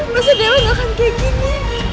masa dewa gak akan kayak gini